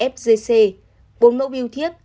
fgc bốn mẫu biêu thiết